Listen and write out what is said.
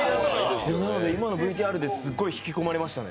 今のＶＴＲですごい引き込まれましたね。